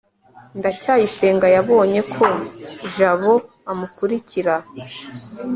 ndacyayisenga yabonye ko jabo amukurikira